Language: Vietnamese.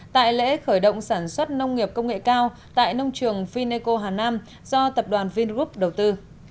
tại lễ khởi động sản xuất nông nghiệp công nghệ cao tại nông trường fineco hà nam do tập đoàn vingroup đầu tư